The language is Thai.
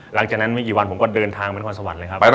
หลังจากนั้นไม่กี่วันผมก็เดินทางไปนครสวรรค์เลยครับ